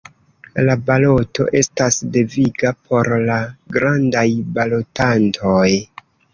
La baloto estas deviga por la grandaj balotantoj.